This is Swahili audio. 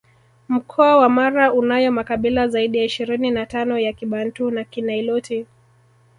Mkoa wa Mara unayo makabila zaidi ya ishirini na tano ya Kibantu na Kiniloti